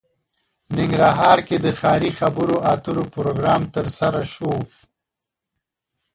ننګرهار کې د ښاري خبرو اترو پروګرام ترسره شو